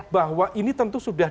bahwa ini tentu sudah